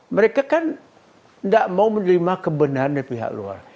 mereka kan tidak mau menerima kebenaran dari pihak luar